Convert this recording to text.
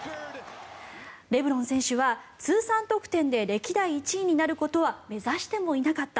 レブロン選手は通算得点で歴代１位になることは目指してもいなかった